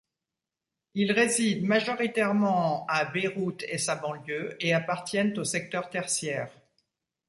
Ils résident majoritairement à Beyrouth et sa banlieue et appartiennent au secteur tertiaire.